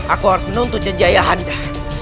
aku harus menuntut janji ayah anda